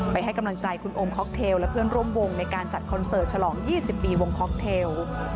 ให้กำลังใจคุณโอมค็อกเทลและเพื่อนร่วมวงในการจัดคอนเสิร์ตฉลอง๒๐ปีวงค็อกเทล